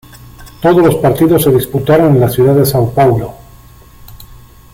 Todos los partidos se disputaron en la ciudad de Sao Paulo.